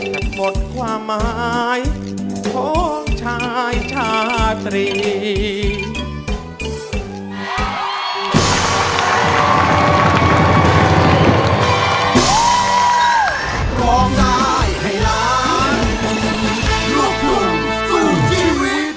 หมดความหมายของชายชาตรี